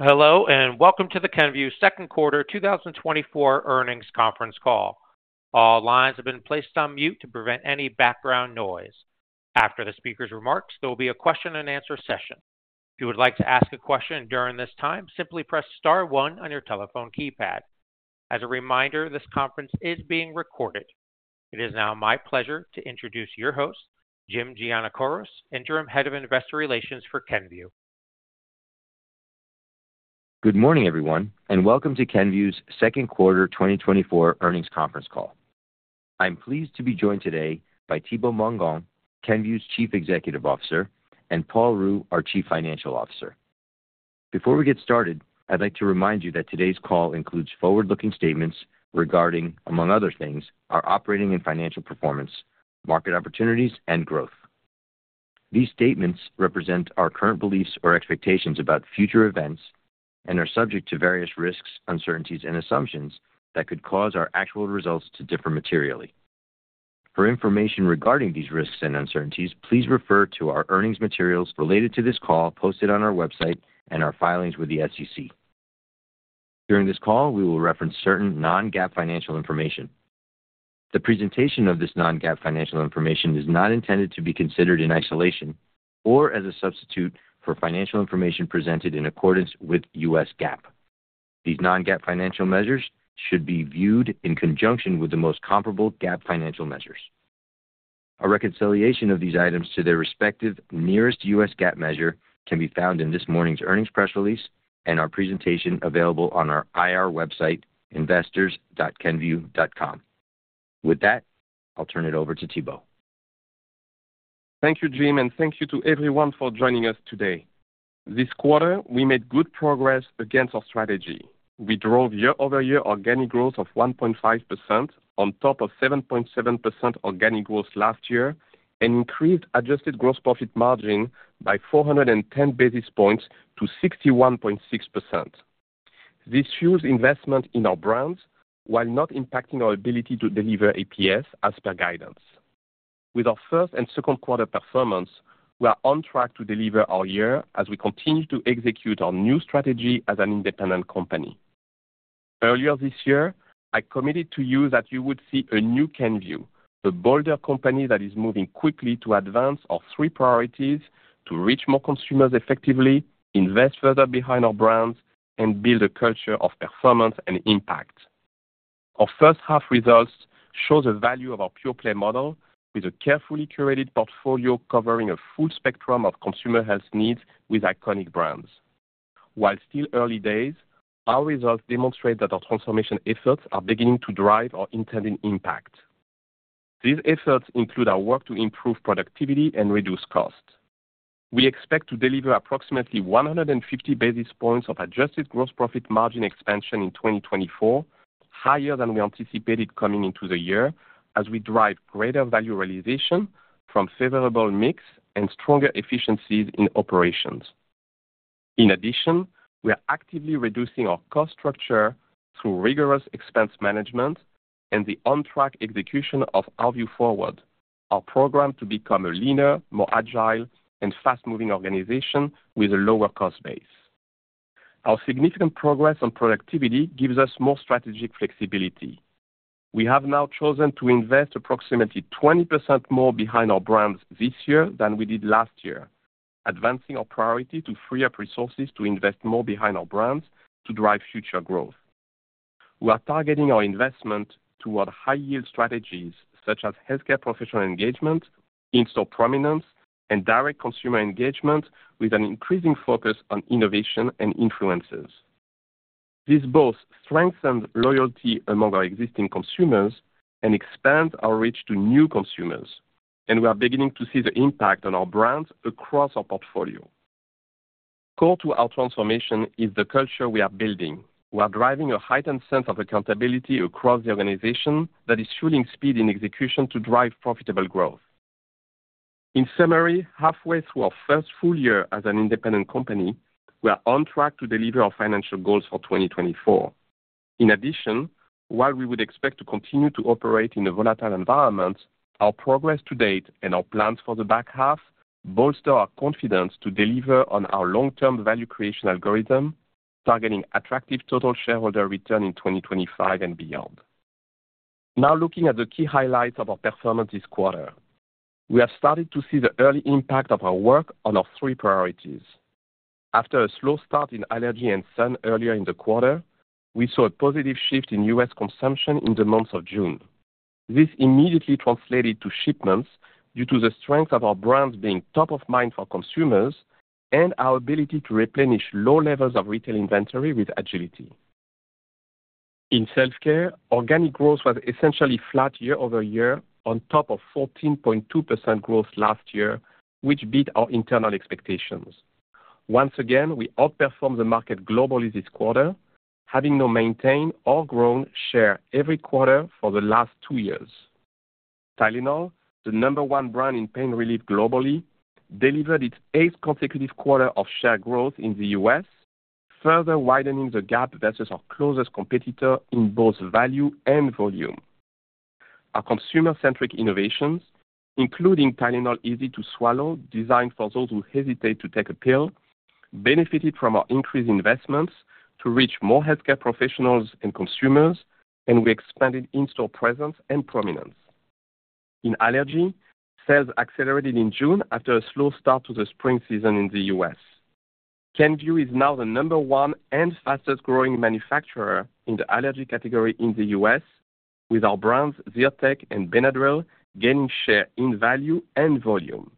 Hello, and welcome to the Kenvue second quarter 2024 earnings conference call. All lines have been placed on mute to prevent any background noise. After the speaker's remarks, there will be a question-and-answer session. If you would like to ask a question during this time, simply press star one on your telephone keypad. As a reminder, this conference is being recorded. It is now my pleasure to introduce your host, Jim Giannakouros, Interim Head of Investor Relations for Kenvue. Good morning, everyone, and welcome to Kenvue's second quarter 2024 earnings conference call. I'm pleased to be joined today by Thibaut Mongon, Kenvue's Chief Executive Officer, and Paul Ruh, our Chief Financial Officer. Before we get started, I'd like to remind you that today's call includes forward-looking statements regarding, among other things, our operating and financial performance, market opportunities, and growth. These statements represent our current beliefs or expectations about future events and are subject to various risks, uncertainties, and assumptions that could cause our actual results to differ materially. For information regarding these risks and uncertainties, please refer to our earnings materials related to this call posted on our website and our filings with the SEC. During this call, we will reference certain non-GAAP financial information. The presentation of this non-GAAP financial information is not intended to be considered in isolation or as a substitute for financial information presented in accordance with U.S. GAAP. These non-GAAP financial measures should be viewed in conjunction with the most comparable GAAP financial measures. A reconciliation of these items to their respective nearest U.S. GAAP measure can be found in this morning's earnings press release and our presentation available on our IR website, investors.kenvue.com. With that, I'll turn it over to Thibaut. Thank you, Jim, and thank you to everyone for joining us today. This quarter, we made good progress against our strategy. We drove year-over-year organic growth of 1.5% on top of 7.7% organic growth last year, and increased adjusted gross profit margin by 410 basis points to 61.6%. This huge investment in our brands, while not impacting our ability to deliver EPS as per guidance. With our first and second quarter performance, we are on track to deliver our year as we continue to execute our new strategy as an independent company. Earlier this year, I committed to you that you would see a new Kenvue, a bolder company that is moving quickly to advance our three priorities: to reach more consumers effectively, invest further behind our brands, and build a culture of performance and impact. Our first half results show the value of our pure-play model with a carefully curated portfolio covering a full spectrum of consumer health needs with iconic brands. While still early days, our results demonstrate that our transformation efforts are beginning to drive our intended impact. These efforts include our work to improve productivity and reduce costs. We expect to deliver approximately 150 basis points of adjusted gross profit margin expansion in 2024, higher than we anticipated coming into the year, as we drive greater value realization from favorable mix and stronger efficiencies in operations. In addition, we are actively reducing our cost structure through rigorous expense management and the on-track execution of our Vue Forward, our program to become a leaner, more agile, and fast-moving organization with a lower cost base. Our significant progress on productivity gives us more strategic flexibility. We have now chosen to invest approximately 20% more behind our brands this year than we did last year, advancing our priority to free up resources to invest more behind our brands to drive future growth. We are targeting our investment toward high-yield strategies, such as healthcare professional engagement, in-store prominence, and direct consumer engagement, with an increasing focus on innovation and influencers. This both strengthens loyalty among our existing consumers and expands our reach to new consumers, and we are beginning to see the impact on our brands across our portfolio. Core to our transformation is the culture we are building. We are driving a heightened sense of accountability across the organization that is fueling speed and execution to drive profitable growth. In summary, halfway through our first full year as an independent company, we are on track to deliver our financial goals for 2024. In addition, while we would expect to continue to operate in a volatile environment, our progress to date and our plans for the back half bolster our confidence to deliver on our long-term value creation algorithm, targeting attractive total shareholder return in 2025 and beyond. Now, looking at the key highlights of our performance this quarter. We have started to see the early impact of our work on our three priorities. After a slow start in allergy and sun earlier in the quarter, we saw a positive shift in U.S. consumption in the month of June. This immediately translated to shipments due to the strength of our brands being top of mind for consumers and our ability to replenish low levels of retail inventory with agility. In self-care, organic growth was essentially flat year-over-year on top of 14.2% growth last year, which beat our internal expectations. Once again, we outperformed the market globally this quarter, having now maintained or grown share every quarter for the last two years. Tylenol, the number one brand in pain relief globally, delivered its eighth consecutive quarter of share growth in the U.S., further widening the gap versus our closest competitor in both value and volume. Our consumer-centric innovations, including Tylenol Easy to Swallow, designed for those who hesitate to take a pill, benefited from our increased investments to reach more healthcare professionals and consumers, and we expanded in-store presence and prominence. In allergy, sales accelerated in June after a slow start to the spring season in the U.S. Kenvue is now the number one and fastest-growing manufacturer in the allergy category in the U.S., with our brands Zyrtec and Benadryl gaining share in value and volume.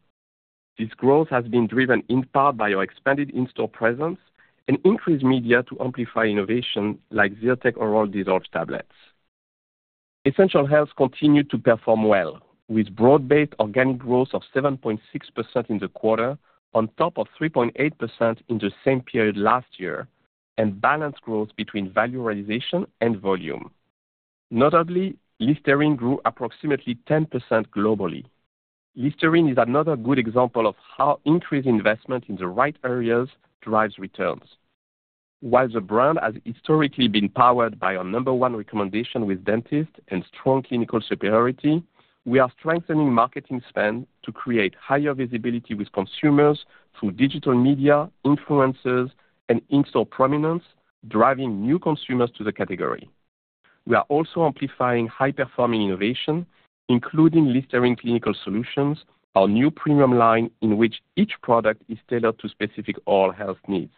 This growth has been driven in part by our expanded in-store presence and increased media to amplify innovation like Zyrtec Oral Dissolve tablets. Essential health continued to perform well, with broad-based organic growth of 7.6% in the quarter on top of 3.8% in the same period last year, and balanced growth between value realization and volume. Notably, Listerine grew approximately 10% globally. Listerine is another good example of how increased investment in the right areas drives returns. While the brand has historically been powered by our number one recommendation with dentists and strong clinical superiority, we are strengthening marketing spend to create higher visibility with consumers through digital media, influencers, and in-store prominence, driving new consumers to the category. We are also amplifying high-performing innovation, including Listerine Clinical Solutions, our new premium line, in which each product is tailored to specific oral health needs.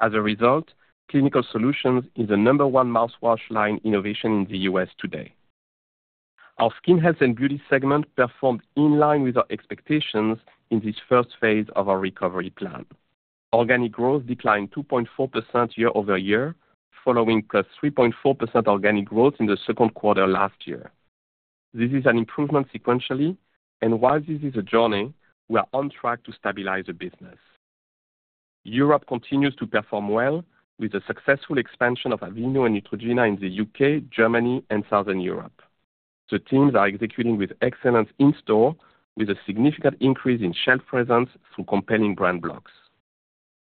As a result, Clinical Solutions is the number one mouthwash line innovation in the U.S. today. Our skin health and beauty segment performed in line with our expectations in this first phase of our recovery plan. Organic growth declined 2.4% year-over-year, following +3.4% organic growth in the second quarter last year. This is an improvement sequentially, and while this is a journey, we are on track to stabilize the business. Europe continues to perform well, with the successful expansion of Aveeno and Neutrogena in the U.K., Germany, and Southern Europe. The teams are executing with excellence in-store, with a significant increase in shelf presence through compelling brand blocks.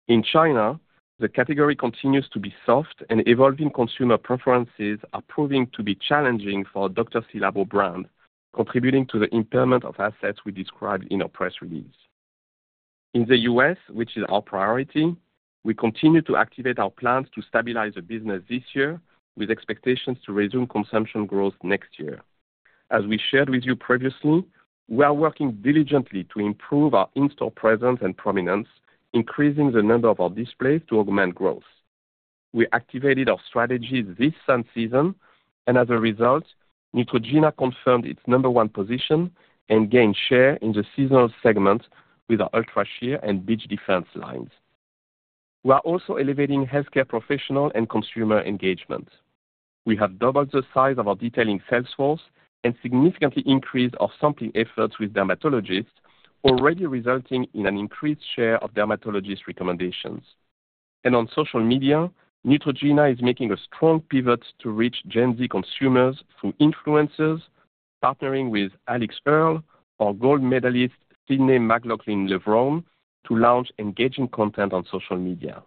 In China, the category continues to be soft, and evolving consumer preferences are proving to be challenging for Dr.Ci:Labo brand, contributing to the impairment of assets we described in our press release. In the U.S., which is our priority, we continue to activate our plans to stabilize the business this year, with expectations to resume consumption growth next year. As we shared with you previously, we are working diligently to improve our in-store presence and prominence, increasing the number of our displays to augment growth. We activated our strategies this sun season, and as a result, Neutrogena confirmed its number one position and gained share in the seasonal segment with our Ultra Sheer and Beach Defense lines. We are also elevating healthcare professional and consumer engagement. We have doubled the size of our detailing sales force and significantly increased our sampling efforts with dermatologists, already resulting in an increased share of dermatologists' recommendations. On social media, Neutrogena is making a strong pivot to reach Gen Z consumers through influencers, partnering with Alix Earle, our gold medalist Sydney McLaughlin-Levrone, to launch engaging content on social media.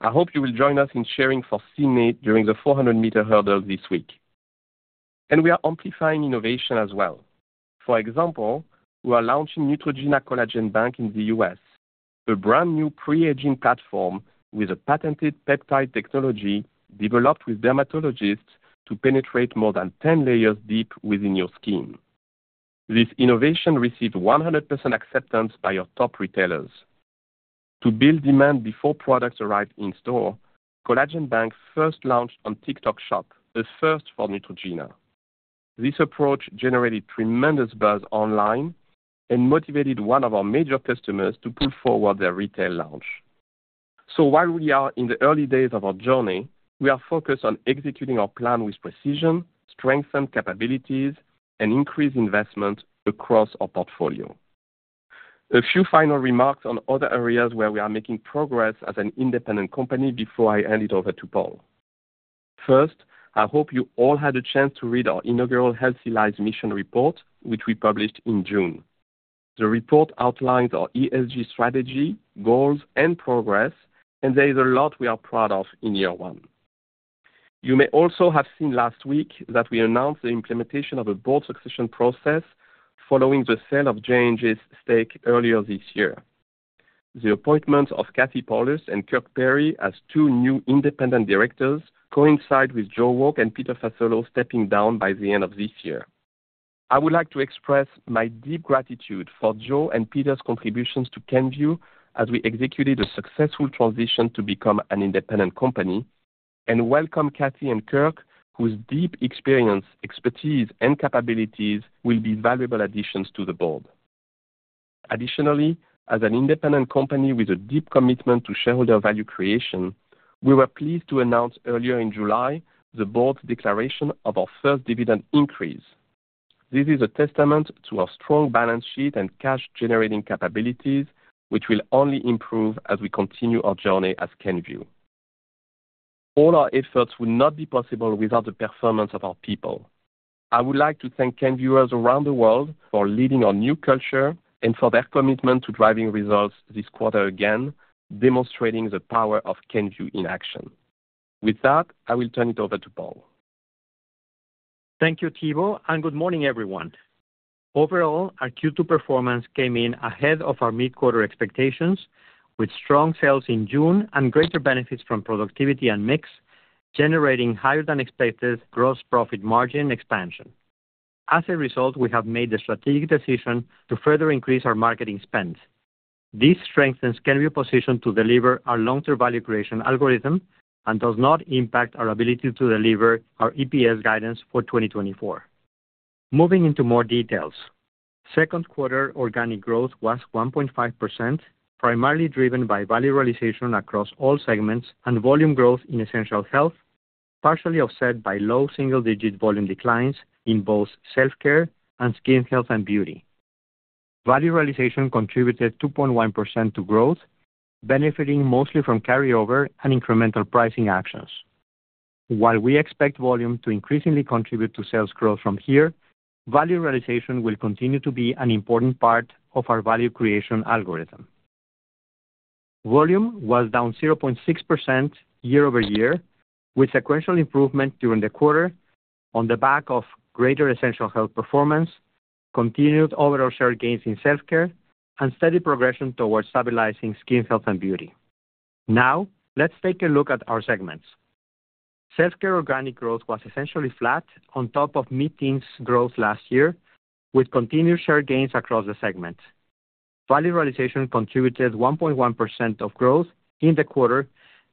I hope you will join us in cheering for Sydney during the 400 m hurdle this week. We are amplifying innovation as well. For example, we are launching Neutrogena Collagen Bank in the U.S., a brand-new pre-aging platform with a patented peptide technology developed with dermatologists to penetrate more than 10 layers deep within your skin. This innovation received 100% acceptance by our top retailers. To build demand before products arrived in store, Collagen Bank first launched on TikTok Shop, a first for Neutrogena. This approach generated tremendous buzz online and motivated one of our major customers to pull forward their retail launch. So while we are in the early days of our journey, we are focused on executing our plan with precision, strengthened capabilities, and increased investment across our portfolio. A few final remarks on other areas where we are making progress as an independent company before I hand it over to Paul. First, I hope you all had a chance to read our inaugural Healthy Lives Mission report, which we published in June. The report outlines our ESG strategy, goals, and progress, and there is a lot we are proud of in year one. You may also have seen last week that we announced the implementation of a board succession process following the sale of J&J's stake earlier this year. The appointment of Kathleen Pawlus and Kirk Perry as two new independent directors coincide with Joe Wolk and Peter Fasolo stepping down by the end of this year. I would like to express my deep gratitude for Joe and Peter's contributions to Kenvue as we executed a successful transition to become an independent company, and welcome Kathleen Pawlus and Kirk Perry, whose deep experience, expertise, and capabilities will be valuable additions to the board. Additionally, as an independent company with a deep commitment to shareholder value creation, we were pleased to announce earlier in July the board's declaration of our first dividend increase. This is a testament to our strong balance sheet and cash-generating capabilities, which will only improve as we continue our journey as Kenvue. All our efforts would not be possible without the performance of our people. I would like to thank Kenvuers around the world for leading our new culture and for their commitment to driving results this quarter, again, demonstrating the power of Kenvue in action. With that, I will turn it over to Paul. Thank you, Thibaut, and good morning, everyone. Overall, our Q2 performance came in ahead of our mid-quarter expectations, with strong sales in June and greater benefits from productivity and mix, generating higher than expected gross profit margin expansion. As a result, we have made the strategic decision to further increase our marketing spend. This strengthens Kenvue's position to deliver our long-term value creation algorithm and does not impact our ability to deliver our EPS guidance for 2024. Moving into more details. Second quarter organic growth was 1.5%, primarily driven by Value Realization across all segments and volume growth in Essential Health, partially offset by low single-digit volume declines in both Self Care and Skin Health and Beauty. Value Realization contributed 2.1% to growth, benefiting mostly from carryover and incremental pricing actions. While we expect volume to increasingly contribute to sales growth from here, Value Realization will continue to be an important part of our value creation algorithm. Volume was down 0.6% year-over-year, with sequential improvement during the quarter on the back of greater Essential Health performance, continued overall share gains in Self Care, and steady progression towards stabilizing Skin Health and Beauty. Now, let's take a look at our segments. Self Care organic growth was essentially flat on top of mid-teens growth last year, with continued share gains across the segment. Value Realization contributed 1.1% of growth in the quarter,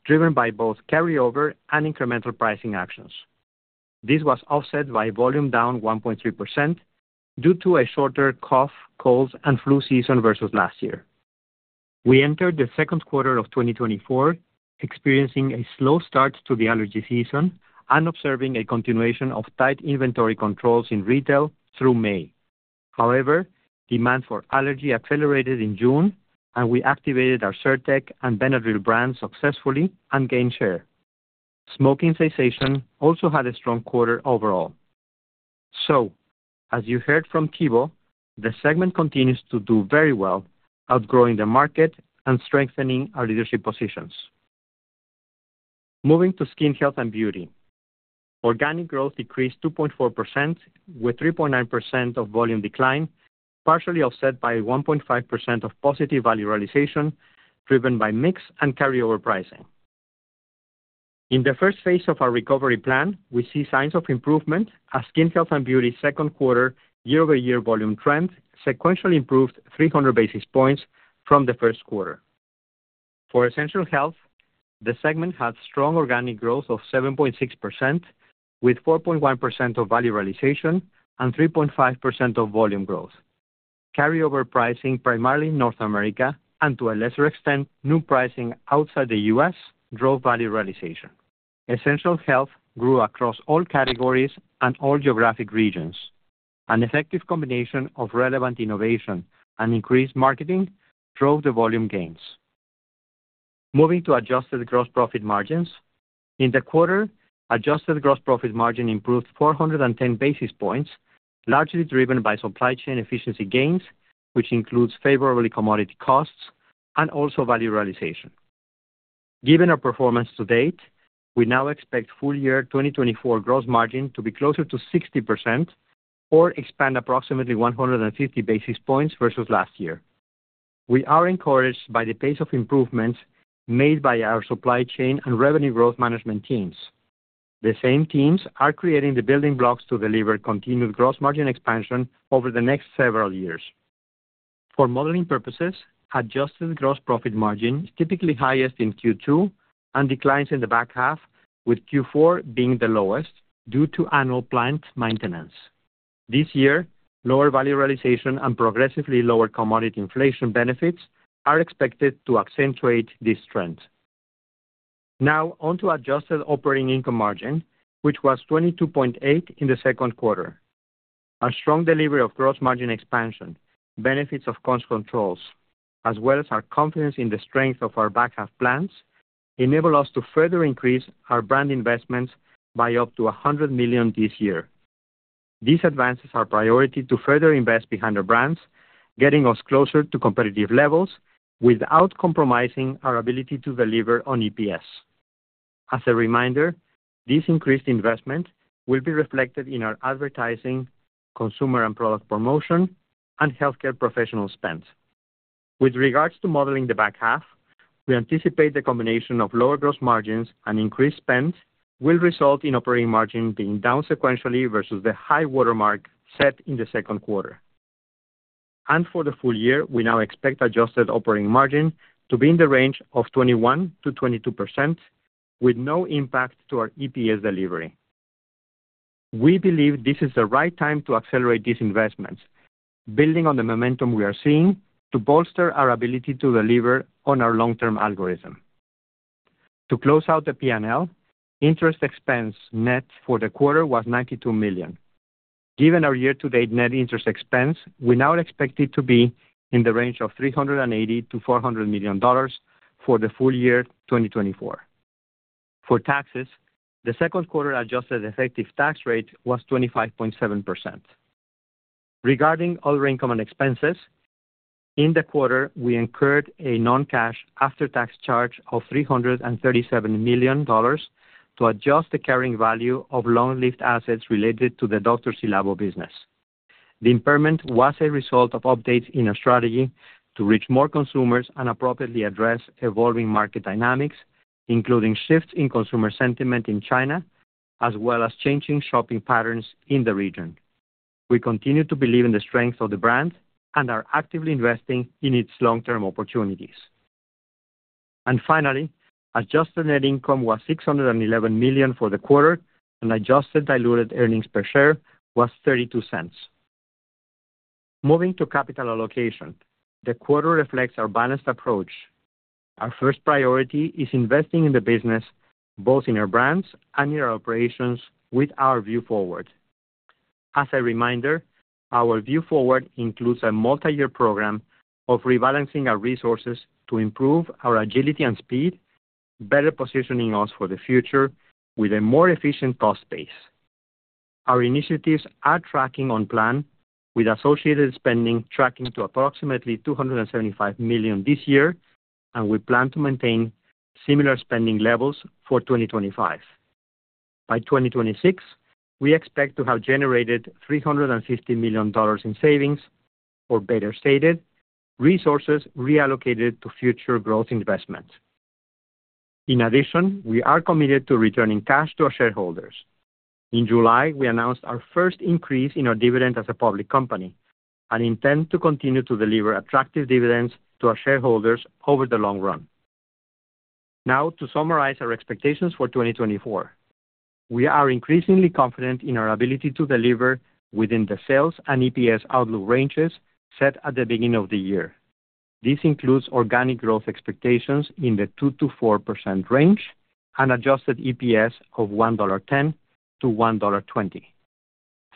driven by both carryover and incremental pricing actions. This was offset by volume down 1.3% due to a shorter cough, cold, and flu season versus last year. We entered the second quarter of 2024 experiencing a slow start to the allergy season and observing a continuation of tight inventory controls in retail through May. However, demand for allergy accelerated in June, and we activated our Zyrtec and Benadryl brands successfully and gained share. Smoking cessation also had a strong quarter overall. So, as you heard from Thibaut, the segment continues to do very well, outgrowing the market and strengthening our leadership positions. Moving to Skin Health and Beauty. Organic growth decreased 2.4%, with 3.9% of volume decline, partially offset by 1.5% of positive value realization, driven by mix and carryover pricing. In the first phase of our recovery plan, we see signs of improvement as Skin Health and Beauty second quarter year-over-year volume trend sequentially improved 300 basis points from the first quarter. For Essential Health, the segment had strong organic growth of 7.6%, with 4.1% of value realization and 3.5% of volume growth. Carryover pricing, primarily in North America and to a lesser extent, new pricing outside the U.S., drove value realization. Essential Health grew across all categories and all geographic regions. An effective combination of relevant innovation and increased marketing drove the volume gains. Moving to adjusted gross profit margins. In the quarter, adjusted gross profit margin improved 410 basis points, largely driven by supply chain efficiency gains, which includes favorable commodity costs and also value realization. Given our performance to date, we now expect full-year 2024 gross margin to be closer to 60% or expand approximately 150 basis points versus last year. We are encouraged by the pace of improvements made by our supply chain and revenue growth management teams. The same teams are creating the building blocks to deliver continued gross margin expansion over the next several years. For modeling purposes, adjusted gross profit margin is typically highest in Q2 and declines in the back half, with Q4 being the lowest due to annual plant maintenance. This year, lower value realization and progressively lower commodity inflation benefits are expected to accentuate this trend. Now on to adjusted operating income margin, which was 22.8 in the second quarter. Our strong delivery of gross margin expansion, benefits of cost controls, as well as our confidence in the strength of our back half plans, enable us to further increase our brand investments by up to $100 million this year. This advances our priority to further invest behind the brands, getting us closer to competitive levels without compromising our ability to deliver on EPS. As a reminder, this increased investment will be reflected in our advertising, consumer and product promotion, and healthcare professional spend. With regards to modeling the back half, we anticipate the combination of lower gross margins and increased spend will result in operating margin being down sequentially versus the high-water mark set in the second quarter. For the full year, we now expect adjusted operating margin to be in the range of 21%-22%, with no impact to our EPS delivery. We believe this is the right time to accelerate these investments, building on the momentum we are seeing to bolster our ability to deliver on our long-term algorithm. To close out the P&L, interest expense net for the quarter was $92 million. Given our year-to-date net interest expense, we now expect it to be in the range of $380 million-$400 million for the full year 2024. For taxes, the second quarter adjusted effective tax rate was 25.7%. Regarding other income and expenses, in the quarter, we incurred a non-cash after-tax charge of $337 million to adjust the carrying value of long-lived assets related to the Dr.Ci:Labo business. The impairment was a result of updates in our strategy to reach more consumers and appropriately address evolving market dynamics, including shifts in consumer sentiment in China, as well as changing shopping patterns in the region. We continue to believe in the strength of the brand and are actively investing in its long-term opportunities. And finally, adjusted net income was $611 million for the quarter, and Adjusted diluted earnings per share was $0.32. Moving to capital allocation, the quarter reflects our balanced approach. Our first priority is investing in the business, both in our brands and in our operations, with our Vue Forward. As a reminder, our Vue Forward includes a multi-year program of rebalancing our resources to improve our agility and speed, better positioning us for the future with a more efficient cost base. Our initiatives are tracking on plan, with associated spending tracking to approximately $275 million this year, and we plan to maintain similar spending levels for 2025. By 2026, we expect to have generated $350 million in savings, or better stated, resources reallocated to future growth investments. In addition, we are committed to returning cash to our shareholders. In July, we announced our first increase in our dividend as a public company and intend to continue to deliver attractive dividends to our shareholders over the long run. Now, to summarize our expectations for 2024. We are increasingly confident in our ability to deliver within the sales and EPS outlook ranges set at the beginning of the year. This includes organic growth expectations in the 2%-4% range and adjusted EPS of $1.10-$1.20.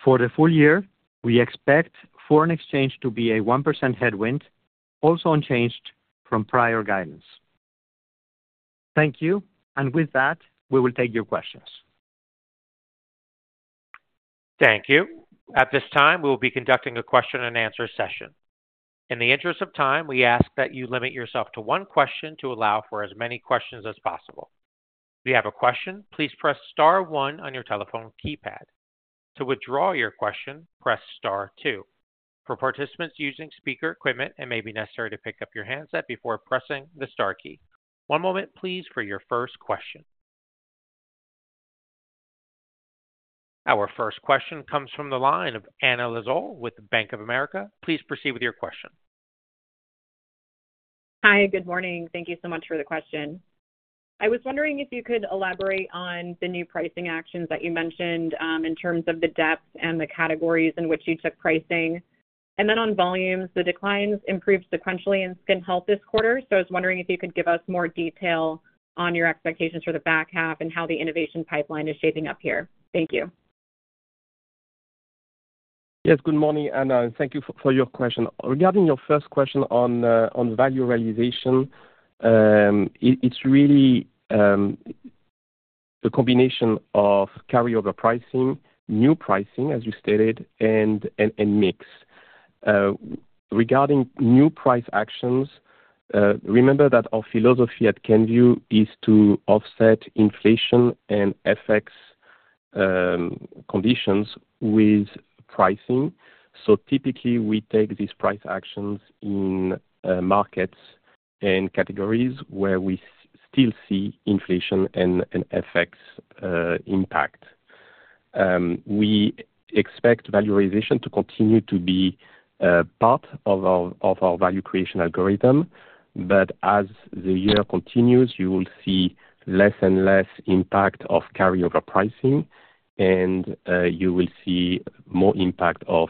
For the full year, we expect foreign exchange to be a 1% headwind, also unchanged from prior guidance. Thank you, and with that, we will take your questions. Thank you. At this time, we will be conducting a question-and-answer session. In the interest of time, we ask that you limit yourself to one question to allow for as many questions as possible. If you have a question, please press star one on your telephone keypad. To withdraw your question, press star two. For participants using speaker equipment, it may be necessary to pick up your handset before pressing the star key. One moment, please, for your first question. Our first question comes from the line of Anna Lizzul with Bank of America. Please proceed with your question. Hi, good morning. Thank you so much for the question. I was wondering if you could elaborate on the new pricing actions that you mentioned, in terms of the depth and the categories in which you took pricing. And then on volumes, the declines improved sequentially in skin health this quarter, so I was wondering if you could give us more detail on your expectations for the back half and how the innovation pipeline is shaping up here. Thank you. Yes, good morning, Anna, and thank you for your question. Regarding your first question on value realization, it's really the combination of carryover pricing, new pricing, as you stated, and mix. Regarding new price actions, remember that our philosophy at Kenvue is to offset inflation and FX conditions with pricing. So typically, we take these price actions in markets and categories where we still see inflation and FX impact. We expect value realization to continue to be part of our value creation algorithm, but as the year continues, you will see less and less impact of carryover pricing, and you will see more impact of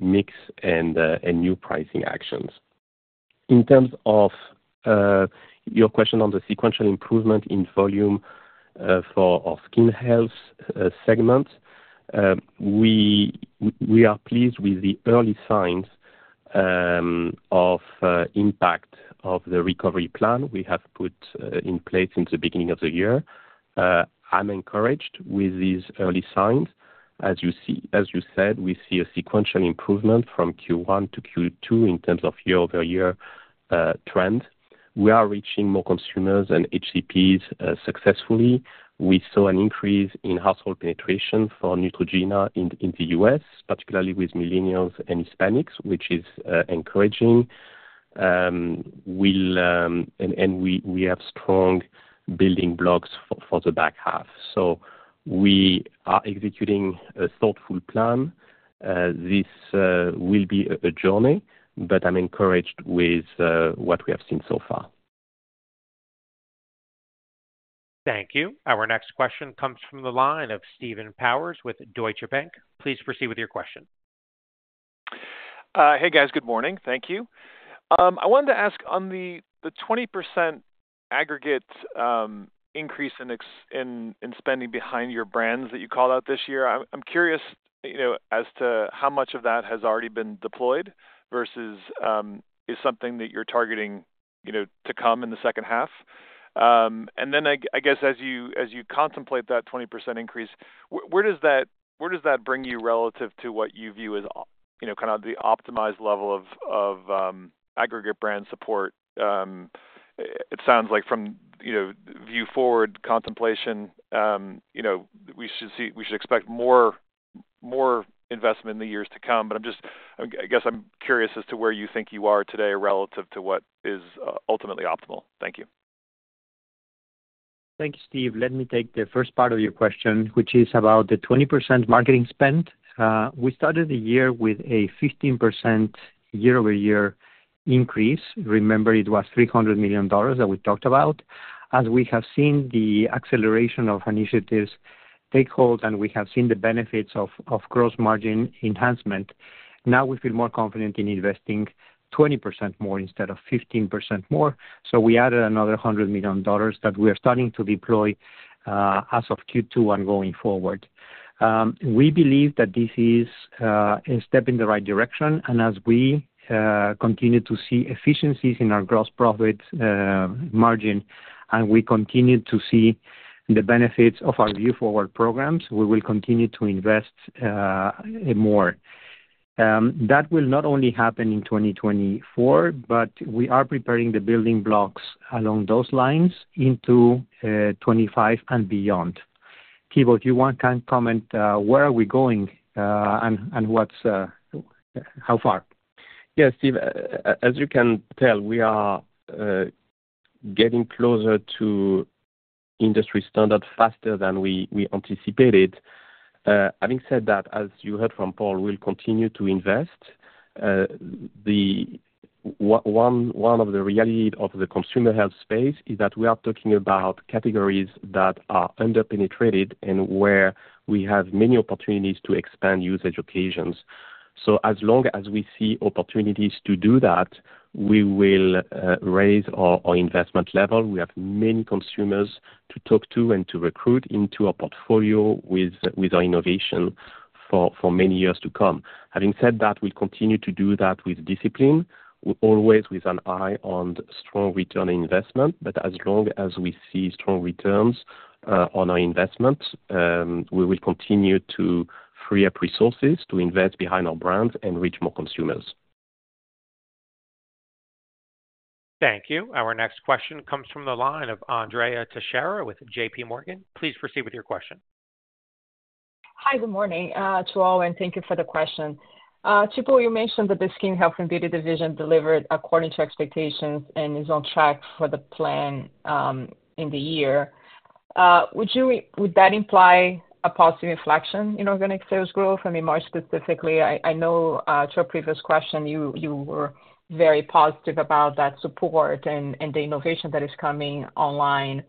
mix and new pricing actions. In terms of your question on the sequential improvement in volume for our skin health segment, we are pleased with the early signs of impact of the recovery plan we have put in place since the beginning of the year. I'm encouraged with these early signs. As you see, as you said, we see a sequential improvement from Q1 to Q2 in terms of year-over-year trend. We are reaching more consumers and HCPs successfully. We saw an increase in household penetration for Neutrogena in the U.S., particularly with millennials and Hispanics, which is encouraging. And we have strong building blocks for the back half. So we are executing a thoughtful plan. This will be a journey, but I'm encouraged with what we have seen so far. Thank you. Our next question comes from the line of Steve Powers with Deutsche Bank. Please proceed with your question. Hey, guys. Good morning. Thank you. I wanted to ask on the 20% aggregate increase in spending behind your brands that you called out this year. I'm curious, you know, as to how much of that has already been deployed versus is something that you're targeting, you know, to come in the second half? And then I guess, as you contemplate that 20% increase, where does that bring you relative to what you view as, you know, kind of the optimized level of aggregate brand support? It sounds like from, you know, Vue Forward contemplation, you know, we should expect more investment in the years to come. I'm just, I guess I'm curious as to where you think you are today relative to what is ultimately optimal. Thank you. Thank you, Steve. Let me take the first part of your question, which is about the 20% marketing spend. We started the year with a 15% year-over-year increase. Remember, it was $300 million that we talked about. As we have seen the acceleration of initiatives take hold, and we have seen the benefits of gross margin enhancement, now we feel more confident in investing 20% more instead of 15% more. So we added another $100 million that we are starting to deploy as of Q2 and going forward. We believe that this is a step in the right direction. And as we continue to see efficiencies in our gross profit margin, and we continue to see the benefits of our Vue Forward programs, we will continue to invest more. That will not only happen in 2024, but we are preparing the building blocks along those lines into 2025 and beyond. Thibaut, if you want, can comment where are we going, and what's how far? Yeah, Steve, as you can tell, we are getting closer to industry standard faster than we anticipated. Having said that, as you heard from Paul, we'll continue to invest. The one reality of the consumer health space is that we are talking about categories that are under-penetrated and where we have many opportunities to expand usage occasions. So as long as we see opportunities to do that, we will raise our investment level. We have many consumers to talk to and to recruit into our portfolio with our innovation for many years to come. Having said that, we'll continue to do that with discipline, always with an eye on strong return on investment. As long as we see strong returns on our investment, we will continue to free up resources to invest behind our brands and reach more consumers. Thank you. Our next question comes from the line of Andrea Teixeira with JPMorgan. Please proceed with your question. Hi, good morning, to all, and thank you for the question. Thibaut, you mentioned that the Skin Health and Beauty division delivered according to expectations and is on track for the plan, in the year. Would that imply a positive inflection in organic sales growth? I mean, more specifically, I know, to a previous question, you were very positive about that support and the innovation that is coming online.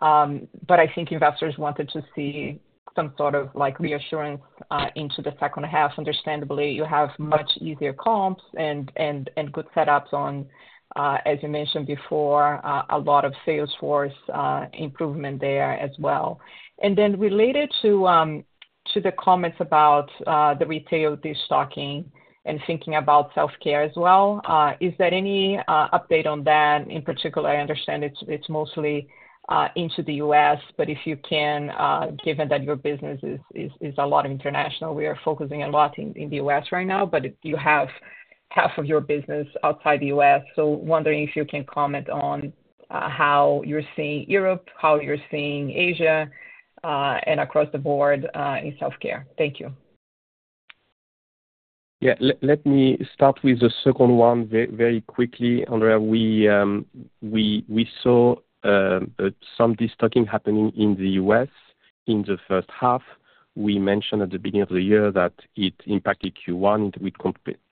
But I think investors wanted to see some sort of, like, reassurance, into the second half. Understandably, you have much easier comps and good setups on, as you mentioned before, a lot of sales force improvement there as well. And then related to the comments about the retail destocking and thinking about self-care as well, is there any update on that in particular? I understand it's mostly into the U.S., but if you can, given that your business is a lot international, we are focusing a lot in the U.S. right now, but you have half of your business outside the U.S. So wondering if you can comment on how you're seeing Europe, how you're seeing Asia, and across the board in self-care. Thank you. Yeah. Let me start with the second one very, very quickly, Andrea. We, we saw some destocking happening in the U.S. in the first half. We mentioned at the beginning of the year that it impacted Q1,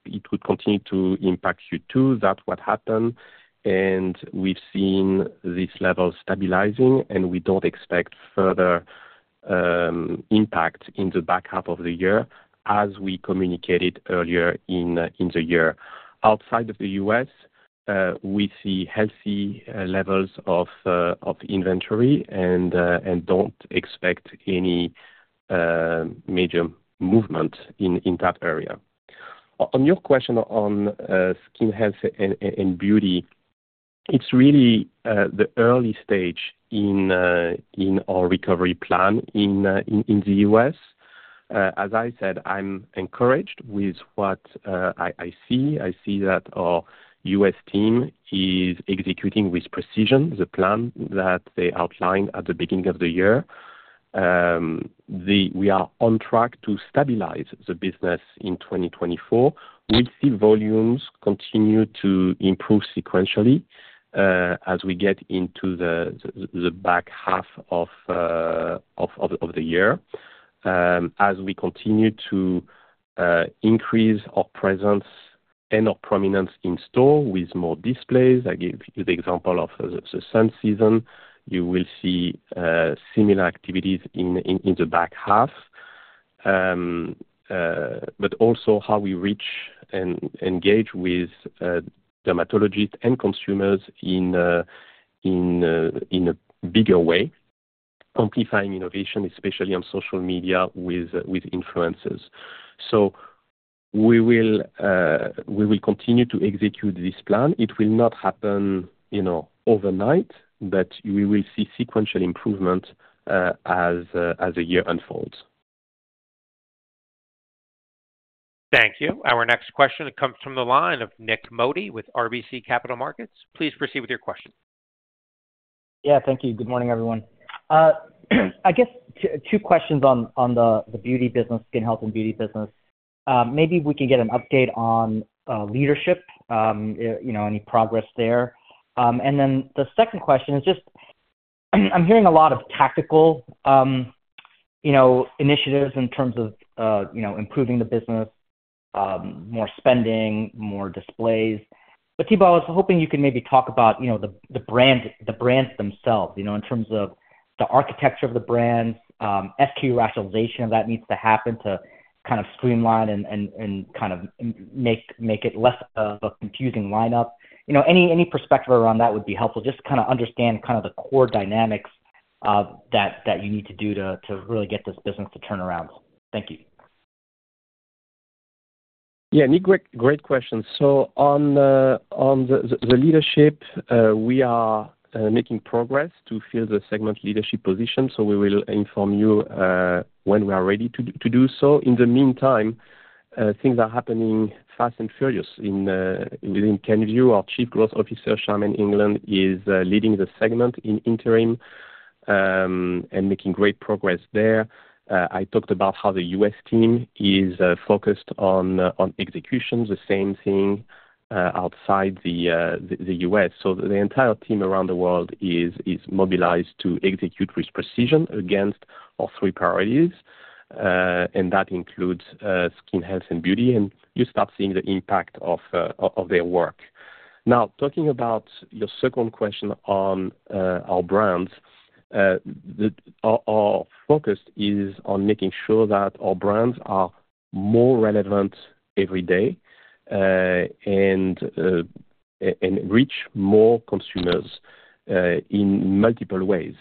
it would continue to impact Q2. That's what happened, and we've seen this level stabilizing, and we don't expect further impact in the back half of the year, as we communicated earlier in the year. Outside of the U.S., we see healthy levels of inventory and don't expect any major movement in that area. On your question on skin health and beauty, it's really the early stage in our recovery plan in the U.S. As I said, I'm encouraged with what I see. I see that our U.S. team is executing with precision the plan that they outlined at the beginning of the year. We are on track to stabilize the business in 2024. We see volumes continue to improve sequentially as we get into the back half of the year. As we continue to increase our presence and our prominence in store with more displays, I give you the example of the sun season. You will see similar activities in the back half, but also how we reach and engage with dermatologists and consumers in a bigger way, amplifying innovation, especially on social media, with influencers. So we will continue to execute this plan. It will not happen, you know, overnight, but we will see sequential improvement as the year unfolds. Thank you. Our next question comes from the line of Nik Modi with RBC Capital Markets. Please proceed with your question. Yeah, thank you. Good morning, everyone. I guess two questions on the beauty business, Skin Health and Beauty business. Maybe we can get an update on leadership, you know, any progress there? And then the second question is just, I'm hearing a lot of tactical, you know, initiatives in terms of, you know, improving the business, more spending, more displays. But Thibaut, I was hoping you could maybe talk about, you know, the brand, the brands themselves, you know, in terms of the architecture of the brands, SKU rationalization that needs to happen to kind of streamline and kind of make it less of a confusing lineup. You know, any perspective around that would be helpful, just to kind of understand kind of the core dynamics, that you need to do to really get this business to turn around. Thank you. Yeah, Nik, great, great question. So on the leadership, we are making progress to fill the segment leadership position, so we will inform you when we are ready to do so. In the meantime, things are happening fast and furious within Kenvue. Our Chief Growth Officer, Charmaine England, is leading the segment on an interim basis and making great progress there. I talked about how the U.S. team is focused on execution, the same thing outside the U.S. So the entire team around the world is mobilized to execute with precision against all three priorities, and that includes skin health and beauty, and you start seeing the impact of their work. Now, talking about your second question on our brands, the... Our focus is on making sure that our brands are more relevant every day, and reach more consumers in multiple ways.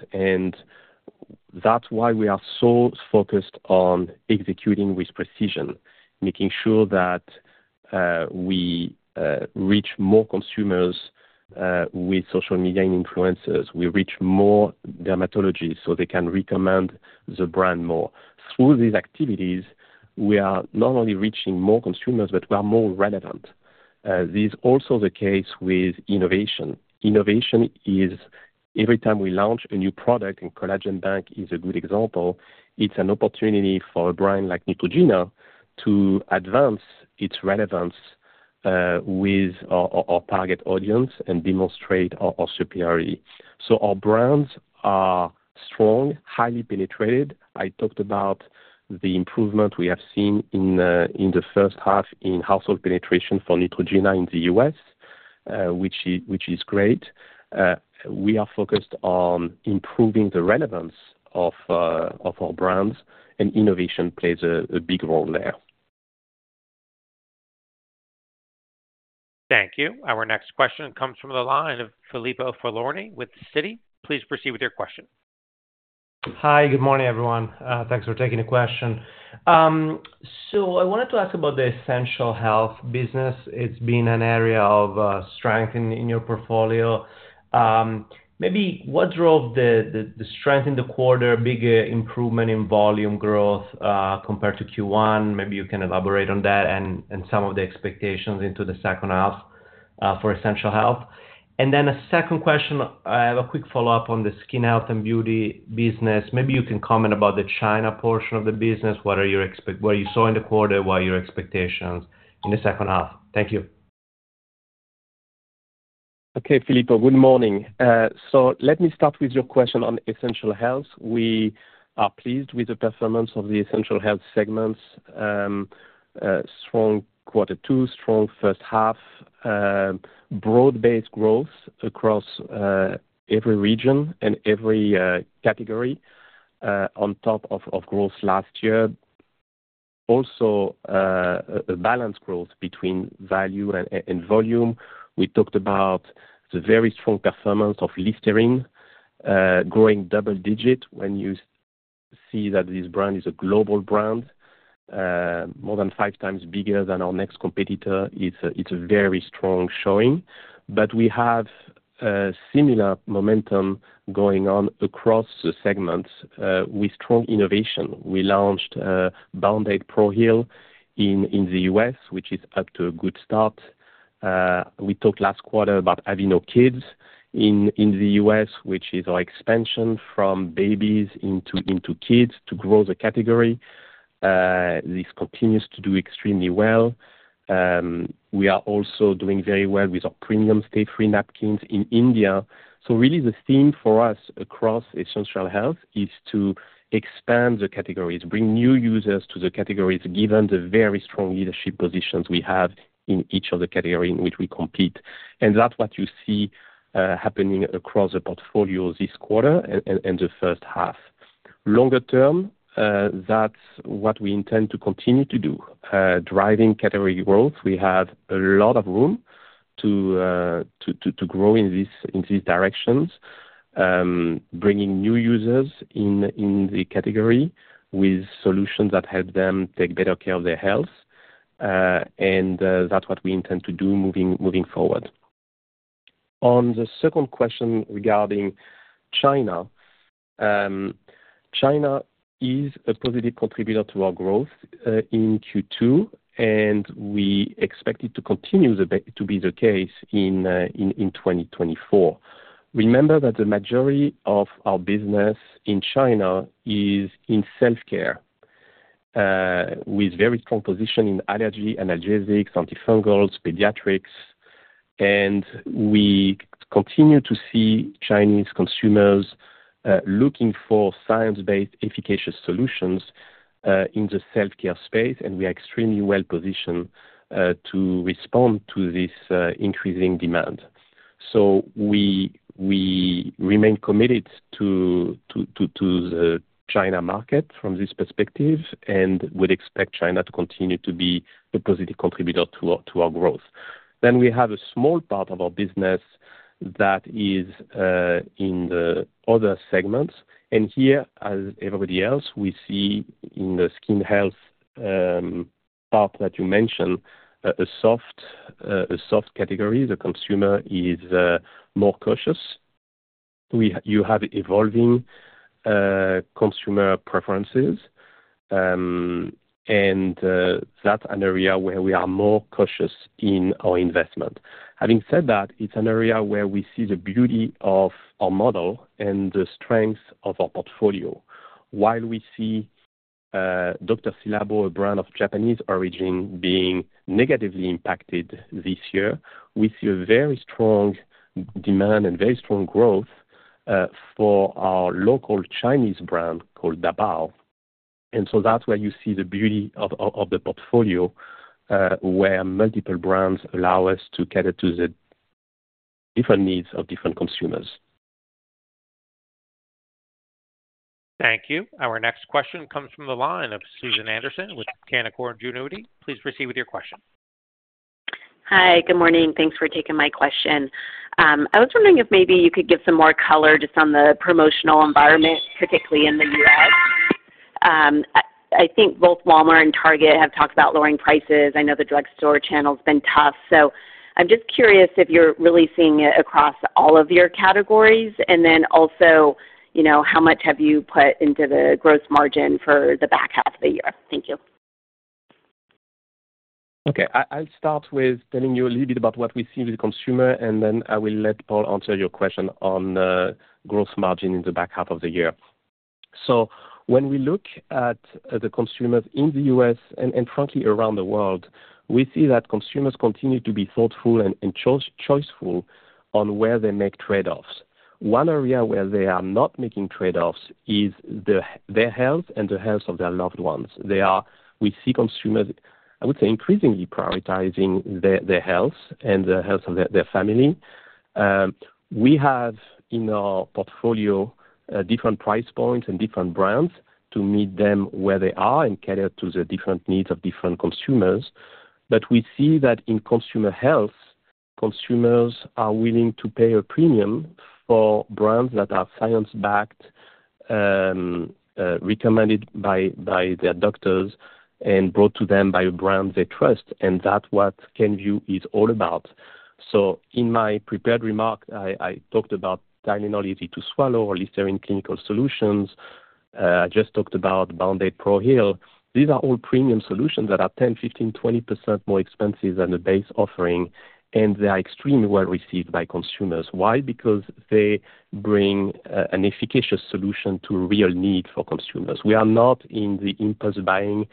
That's why we are so focused on executing with precision, making sure that we reach more consumers with social media influencers. We reach more dermatologists, so they can recommend the brand more. Through these activities, we are not only reaching more consumers, but we are more relevant. This is also the case with innovation. Innovation is every time we launch a new product, and Collagen Bank is a good example, it's an opportunity for a brand like Neutrogena to advance its relevance with our target audience and demonstrate our superiority. So our brands are strong, highly penetrated. I talked about the improvement we have seen in the first half in household penetration for Neutrogena in the U.S., which is great. We are focused on improving the relevance of our brands, and innovation plays a big role there. Thank you. Our next question comes from the line of Filippo Falorni with Citi. Please proceed with your question. Hi, good morning, everyone. Thanks for taking the question. So I wanted to ask about the Essential Health business. It's been an area of strength in your portfolio. Maybe what drove the strength in the quarter, big improvement in volume growth compared to Q1? Maybe you can elaborate on that and some of the expectations into the second half for Essential Health. And then a second question, I have a quick follow-up on the Skin Health and Beauty business. Maybe you can comment about the China portion of the business. What are your expect-- what you saw in the quarter, what are your expectations in the second half? Thank you. Okay, Filippo, good morning. So let me start with your question on Essential Health. We are pleased with the performance of the Essential Health segments. A strong quarter, two strong first half, broad-based growth across every region and every category on top of of growth last year. Also, a balanced growth between value and volume. We talked about the very strong performance of Listerine, growing double digit. When you see that this brand is a global brand, more than five times bigger than our next competitor, it's a very strong showing. But we have a similar momentum going on across the segments with strong innovation. We launched Band-Aid Pro-Heal in the U.S., which is up to a good start. We talked last quarter about Aveeno Kids in the U.S., which is our expansion from babies into kids to grow the category. This continues to do extremely well. We are also doing very well with our premium Stayfree napkins in India. So really the theme for us across essential health is to expand the categories, bring new users to the categories, given the very strong leadership positions we have in each of the category in which we compete. That's what you see happening across the portfolio this quarter and the first half. Longer term, that's what we intend to continue to do. Driving category growth, we have a lot of room to grow in these directions, bringing new users in the category with solutions that help them take better care of their health. That's what we intend to do moving forward. On the second question regarding China, China is a positive contributor to our growth in Q2, and we expect it to continue to be the case in 2024. Remember that the majority of our business in China is in self-care, with very strong position in allergy, analgesics, antifungals, pediatrics, and we continue to see Chinese consumers looking for science-based, efficacious solutions in the self-care space, and we are extremely well positioned to respond to this increasing demand. So we remain committed to the China market from this perspective and would expect China to continue to be a positive contributor to our growth. Then we have a small part of our business that is in the other segments, and here, as everybody else, we see in the skin health part that you mentioned, a soft category. The consumer is more cautious. We, you have evolving consumer preferences, and that's an area where we are more cautious in our investment. Having said that, it's an area where we see the beauty of our model and the strength of our portfolio. While we see Dr.Ci:Labo, a brand of Japanese origin, being negatively impacted this year, we see a very strong demand and very strong growth for our local Chinese brand called Dabao. And so that's where you see the beauty of the portfolio, where multiple brands allow us to cater to the different needs of different consumers. Thank you. Our next question comes from the line of Susan Anderson with Canaccord Genuity. Please proceed with your question. Hi, good morning. Thanks for taking my question. I was wondering if maybe you could give some more color just on the promotional environment, particularly in the U.S. I think both Walmart and Target have talked about lowering prices. I know the drugstore channel's been tough, so I'm just curious if you're really seeing it across all of your categories, and then also, you know, how much have you put into the gross margin for the back half of the year? Thank you. Okay, I'll start with telling you a little bit about what we see with the consumer, and then I will let Paul answer your question on gross margin in the back half of the year. So when we look at the consumers in the U.S. and, frankly, around the world, we see that consumers continue to be thoughtful and choiceful on where they make trade-offs. One area where they are not making trade-offs is their health and the health of their loved ones. They are... We see consumers, I would say, increasingly prioritizing their health and the health of their family. We have in our portfolio different price points and different brands to meet them where they are and cater to the different needs of different consumers. But we see that in consumer health, consumers are willing to pay a premium for brands that are science-backed, recommended by their doctors and brought to them by a brand they trust, and that's what Kenvue is all about. So in my prepared remarks, I talked about Tylenol Easy to Swallow or Listerine Clinical Solutions. I just talked about Band-Aid Pro Heal. These are all premium solutions that are 10, 15, 20% more expensive than the base offering, and they are extremely well received by consumers. Why? Because they bring an efficacious solution to a real need for consumers. We are not in the impulse buying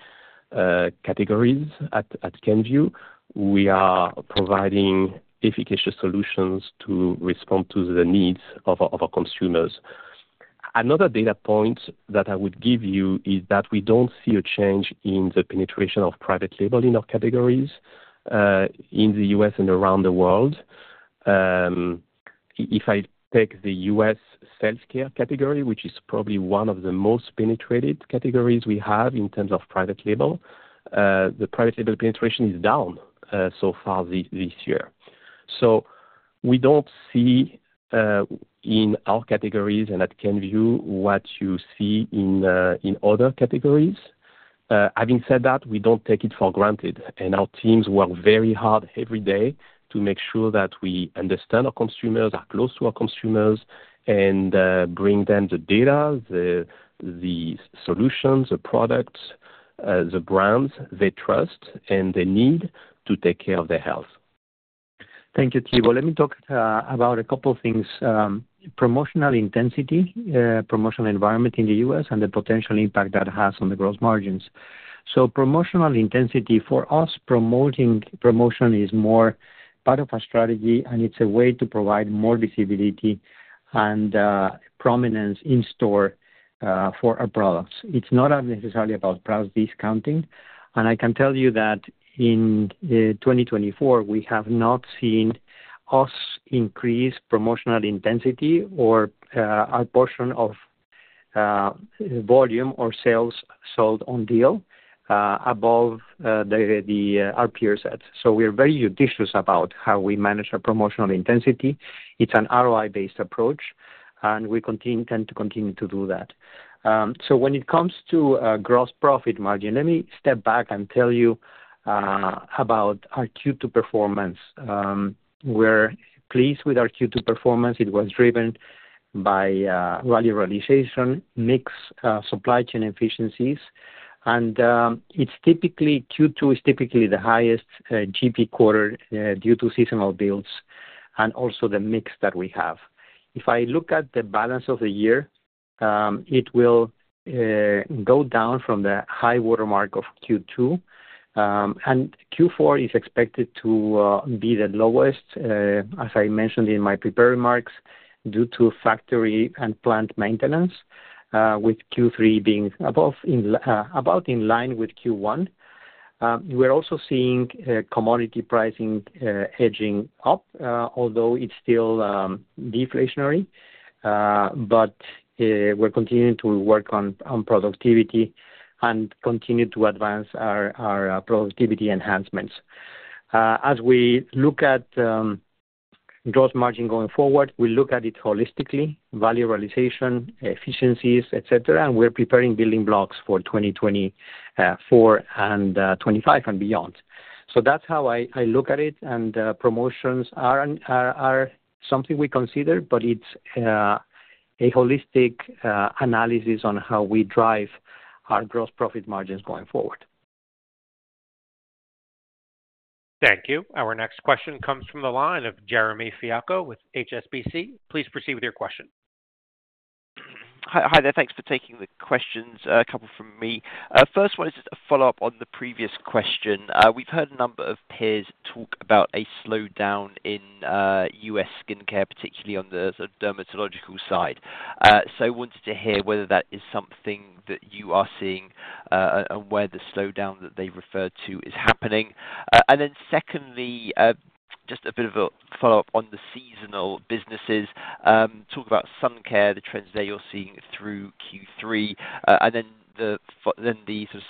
categories at Kenvue. We are providing efficacious solutions to respond to the needs of our consumers. Another data point that I would give you is that we don't see a change in the penetration of private label in our categories, in the U.S. and around the world. If I take the U.S. self-care category, which is probably one of the most penetrated categories we have in terms of private label, the private label penetration is down, so far this year. So we don't see, in our categories and at Kenvue, what you see in, in other categories. Having said that, we don't take it for granted, and our teams work very hard every day to make sure that we understand our consumers, are close to our consumers, and bring them the data, the solutions, the products, the brands they trust and they need to take care of their health. Thank you, Thibaut. Let me talk about a couple things. Promotional intensity, promotional environment in the U.S. and the potential impact that has on the growth margins. So promotional intensity, for us, promotion is more part of our strategy, and it's a way to provide more visibility and prominence in store for our products. It's not necessarily about price discounting, and I can tell you that in 2024, we have not seen us increase promotional intensity or our portion of volume or sales sold on deal above our peer set. So we are very judicious about how we manage our promotional intensity. It's an ROI-based approach, and we continue to do that. So when it comes to gross profit margin, let me step back and tell you about our Q2 performance. We're pleased with our Q2 performance. It was driven by value realization, mix, supply chain efficiencies, and it's typically Q2 is typically the highest GP quarter due to seasonal builds and also the mix that we have. If I look at the balance of the year, it will go down from the high water mark of Q2. And Q4 is expected to be the lowest, as I mentioned in my prepared remarks, due to factory and plant maintenance, with Q3 being above in about in line with Q1. We're also seeing commodity pricing edging up although it's still deflationary. But, we're continuing to work on productivity and continue to advance our productivity enhancements. As we look at growth margin going forward, we look at it holistically, value realization, efficiencies, et cetera, and we're preparing building blocks for 2024 and 2025 and beyond. So that's how I look at it, and promotions are something we consider, but it's a holistic analysis on how we drive our gross profit margins going forward. Thank you. Our next question comes from the line of Jeremy Fialko with HSBC. Please proceed with your question. Hi, hi there. Thanks for taking the questions, a couple from me. First one is just a follow-up on the previous question. We've heard a number of peers talk about a slowdown in U.S. skincare, particularly on the dermatological side. So wanted to hear whether that is something that you are seeing, and where the slowdown that they referred to is happening. And then secondly, just a bit of a follow-up on the seasonal businesses. Talk about sun care, the trends that you're seeing through Q3, and then the sort of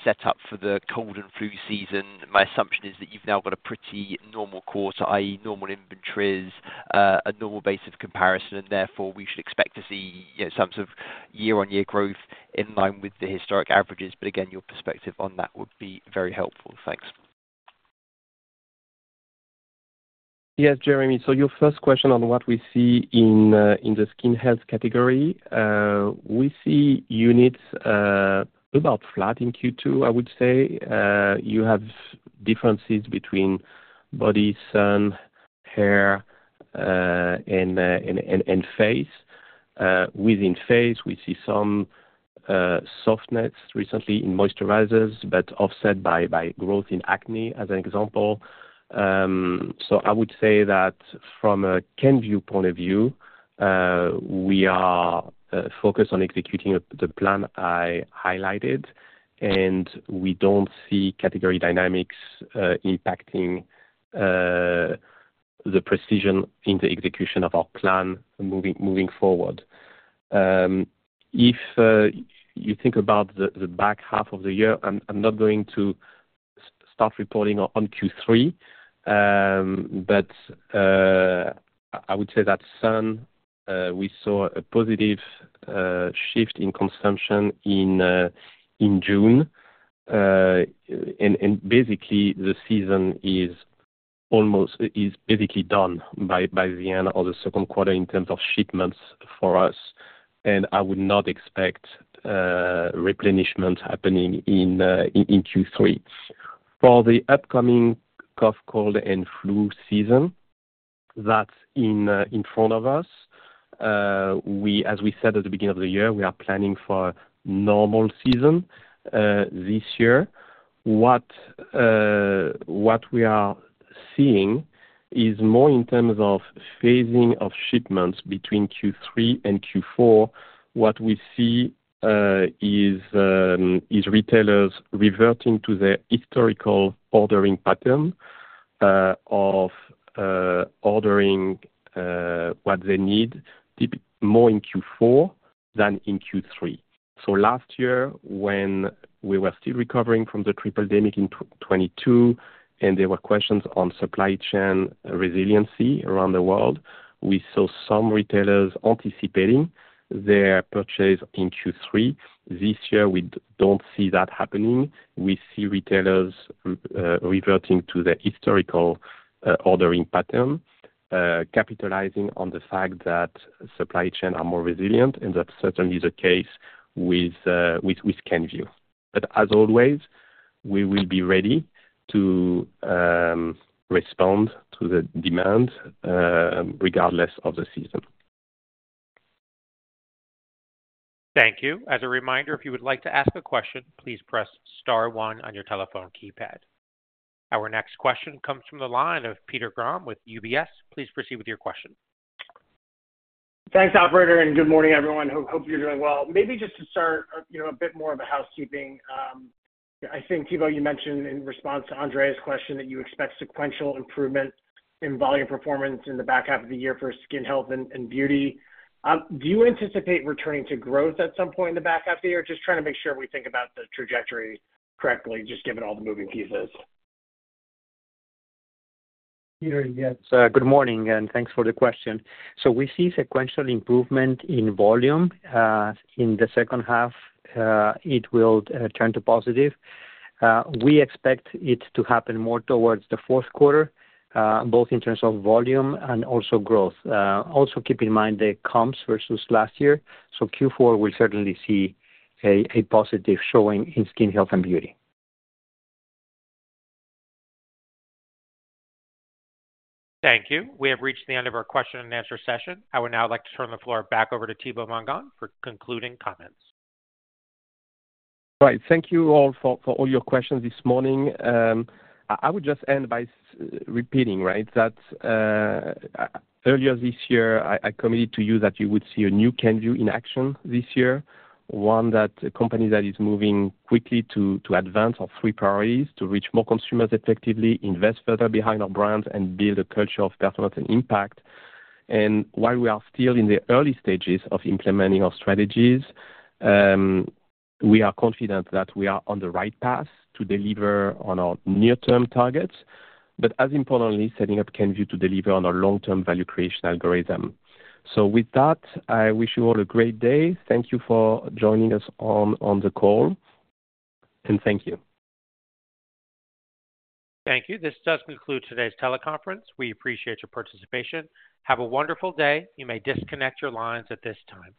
setup for the cold and flu season. My assumption is that you've now got a pretty normal quarter, i.e., normal inventories, a normal base of comparison, and therefore, we should expect to see, you know, some sort of year-on-year growth in line with the historic averages. But again, your perspective on that would be very helpful. Thanks. Yes, Jeremy. So your first question on what we see in the skin health category. We see units about flat in Q2, I would say. You have differences between body, sun, hair, and face. Within face, we see some softness recently in moisturizers, but offset by growth in acne, as an example. So I would say that from a Kenvue point of view, we are focused on executing the plan I highlighted, and we don't see category dynamics impacting the precision in the execution of our plan moving forward. If you think about the back half of the year, I'm not going to start reporting on Q3. But I would say that sun, we saw a positive shift in consumption in June. And basically, the season is basically done by the end of the second quarter in terms of shipments for us, and I would not expect replenishment happening in Q3. For the upcoming cough, cold, and flu season, that's in front of us. As we said at the beginning of the year, we are planning for normal season this year. What we are seeing is more in terms of phasing of shipments between Q3 and Q4. What we see is retailers reverting to their historical ordering pattern of ordering what they need more in Q4 than in Q3. So last year, when we were still recovering from the triple pandemic in 2022, and there were questions on supply chain resiliency around the world, we saw some retailers anticipating their purchase in Q3. This year, we don't see that happening. We see retailers reverting to their historical ordering pattern, capitalizing on the fact that supply chain are more resilient, and that's certainly the case with Kenvue. But as always, we will be ready to respond to the demand, regardless of the season. Thank you. As a reminder, if you would like to ask a question, please press star one on your telephone keypad. Our next question comes from the line of Peter Grom with UBS. Please proceed with your question. Thanks, operator, and good morning, everyone. Hope you're doing well. Maybe just to start, you know, a bit more of a housekeeping. I think, Thibaut, you mentioned in response to Andrea's question, that you expect sequential improvement in volume performance in the back half of the year for Skin Health and Beauty. Do you anticipate returning to growth at some point in the back half of the year? Just trying to make sure we think about the trajectory correctly, just given all the moving pieces. Peter, yes, good morning, and thanks for the question. So we see sequential improvement in volume in the second half; it will turn to positive. We expect it to happen more towards the fourth quarter, both in terms of volume and also growth. Also keep in mind the comps versus last year, so Q4 will certainly see a positive showing in Skin Health and Beauty. Thank you. We have reached the end of our question and answer session. I would now like to turn the floor back over to Thibaut Mongon for concluding comments. Right. Thank you all for all your questions this morning. I would just end by repeating, right? That earlier this year, I committed to you that you would see a new Kenvue in action this year. One that, a company that is moving quickly to advance our three priorities: to reach more consumers effectively, invest further behind our brands, and build a culture of performance and impact. And while we are still in the early stages of implementing our strategies, we are confident that we are on the right path to deliver on our near-term targets, but as importantly, setting up Kenvue to deliver on our long-term value creation algorithm. So with that, I wish you all a great day. Thank you for joining us on the call, and thank you. Thank you. This does conclude today's teleconference. We appreciate your participation. Have a wonderful day. You may disconnect your lines at this time.